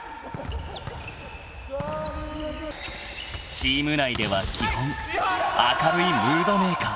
［チーム内では基本明るいムードメーカー］